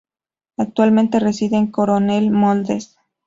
Actualmente reside en Coronel Moldes.